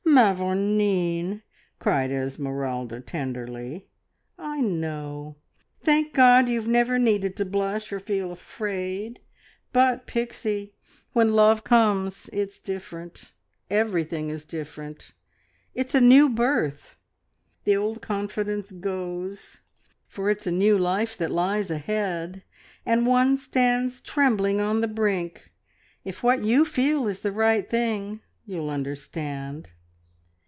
"Mavourneen!" cried Esmeralda tenderly, "I know. Thank God you've never needed to blush or feel afraid, but, Pixie, when love comes, it's different, everything is different! It's a new birth. The old confidence goes, for it's a new life that lies ahead, and one stands trembling on the brink. ... If what you feel is the right thing, you'll understand.